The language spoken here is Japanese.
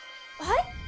はい？